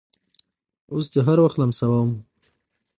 اوس دې هر وخت لمسوم